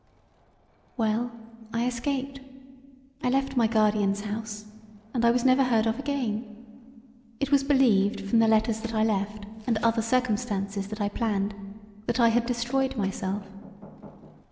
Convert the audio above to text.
Well, I escaped. I left my guardian's house and I was never heard of again; it was believed from the letters that I left and other circumstances that I planned that I had destroyed myself.